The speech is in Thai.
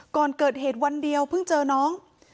ก่อนเกิดเหตุวันเดียวเพิ่งเจอน้อง